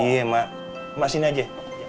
iya emak emak sini aja